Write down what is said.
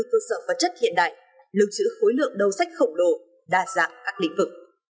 cơ sở vật chất hiện đại lưu trữ khối lượng đầu sách khổng lồ đa dạng các lĩnh vực